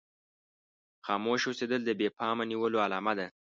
خاموشه اوسېدل د بې پامه نيولو علامه ده.